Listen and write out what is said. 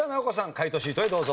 解答シートへどうぞ。